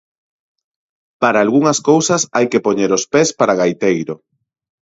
Para algunhas cousas hai que poñer os pés para gaiteiro.